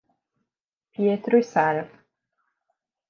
Pietro e Sarah